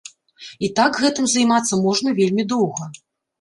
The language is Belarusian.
І так гэтым займацца можна вельмі доўга.